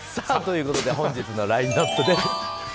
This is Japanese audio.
ということで本日のラインアップです。